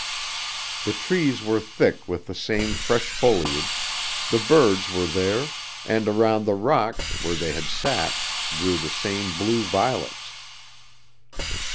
The trees were thick with the same fresh foliage, the birds were there, and around the rock where they had sat grew the same blue violets.